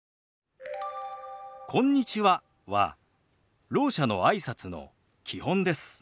「こんにちは」はろう者のあいさつの基本です。